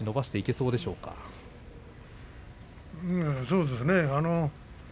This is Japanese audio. そうですね。